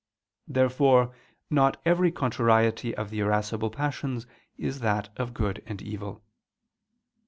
Therefore not every contrariety of the irascible passions is that of good and evil.